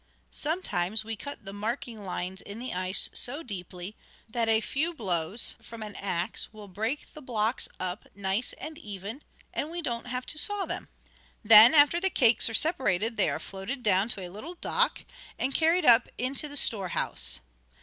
Sometimes we cut the marking lines in the ice so deeply that a few blows from an axe will break the blocks up nice and even, and we don't have to saw them. "Then, after the cakes are separated, they are floated down to a little dock, and carried up into the store house.